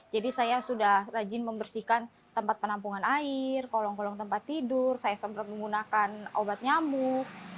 jadi saya sudah rajin membersihkan tempat penampungan air kolong kolong tempat tidur saya sempat menggunakan obat nyamuk